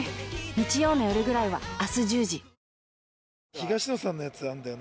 東野さんのやつあるんだよな。